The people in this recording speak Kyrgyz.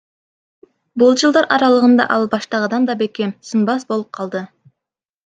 Бул жылдар аралыгында ал баштагыдан да бекем, сынбас болуп калды.